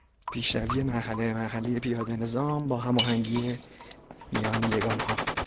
پیشروی مرحله به مرحلهی پیاده نظام با هماهنگی میان یگانها